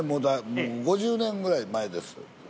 もう５０年ぐらい前です。